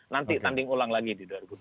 nanti tanding ulang lagi di dua ribu dua puluh